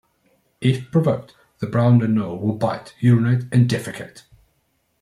If provoked, the brown anole will bite, urinate, and defecate.